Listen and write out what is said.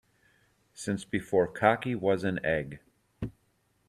Since before cocky was an egg.